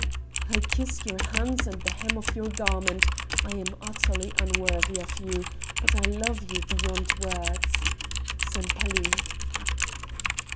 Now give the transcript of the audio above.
I kiss your hands and the hem of your garment I am utterly unworthy of you, but I love you beyond words. "Sempaly."